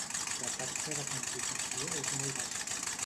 La taxa de complicació és molt baixa.